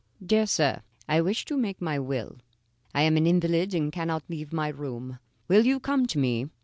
DEAR SIR, I wish to make my will. I am an invalid and cannot leave my room. Will you come to me?